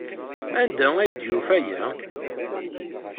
Anda ay d-yufa aya?